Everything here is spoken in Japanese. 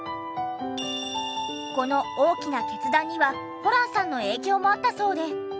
この大きな決断にはホランさんの影響もあったそうで。